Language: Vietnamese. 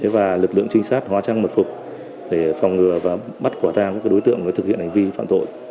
và lực lượng trinh sát hóa trang mật phục để phòng ngừa và bắt quả tang các đối tượng thực hiện hành vi phạm tội